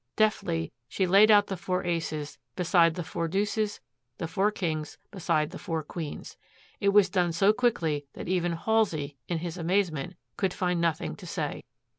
Deftly she laid out the four aces beside the four deuces, the four kings beside the four queens. It was done so quickly that even Halsey, in his amazement, could find nothing to say.